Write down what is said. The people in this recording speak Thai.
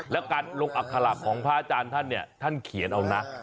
แล้วการลงอัคระของพระอาจารย์ท่านเนี่ยท่านเขียนเอานะ